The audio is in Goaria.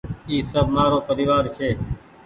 اي سب مآرو پريوآر ڇي ۔